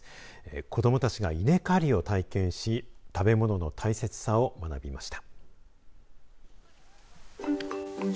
子どもたちが稲刈りを体験し食べ物の大切さを学びました。